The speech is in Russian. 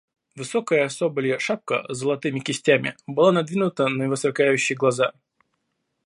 Высокая соболья шапка с золотыми кистями была надвинута на его сверкающие глаза.